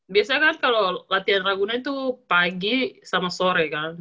biasanya kan kalau latihan ragunan itu pagi sama sore kan